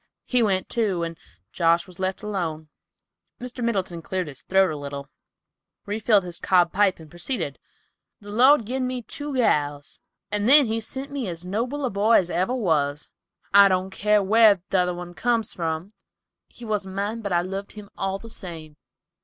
He went, too, and Josh was left alone." Mr. Middleton cleared his throat a little, refilled his cob pipe, and proceeded. "The Lord gin me two gals, and then he sent me as noble a boy as ever was, I don't care where t'other comes from. He wasn't mine, but I loved him all the same.